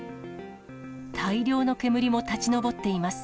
大量の煙も立ち上っています。